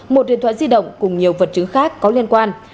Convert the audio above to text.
một điện thoại di động cùng nhiều vật chứng khác có liên quan